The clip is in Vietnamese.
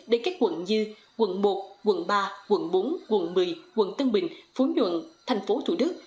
đến các quận như quận một quận ba quận bốn quận một mươi quận tân bình phú nhuận tp thủ đức